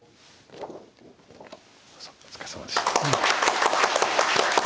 どうぞお疲れさまでした。